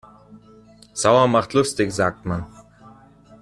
Sauer macht lustig, sagt man.